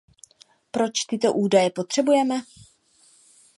A proč tyto údaje potřebujeme?